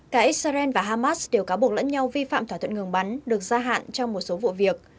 cả israel và hamas đều cáo buộc lẫn nhau vi phạm thỏa thuận ngừng bắn được gia hạn trong một số vụ việc